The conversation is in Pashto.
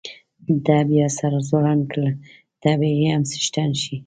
ده بیا سر ځوړند کړ، ته به یې هم څښتن شې.